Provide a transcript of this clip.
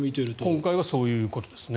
今回はそういうことですね